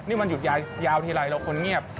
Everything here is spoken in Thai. นี่วันหยุดยาวทีไรเราควรเงียบ